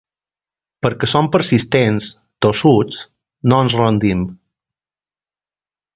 Perquè som persistents, tossuts, no ens rendim.